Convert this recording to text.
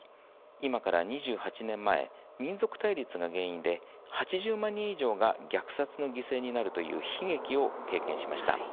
今から２８年前民族対立が原因で８０万人以上が虐殺の犠牲になるという悲劇を経験しました。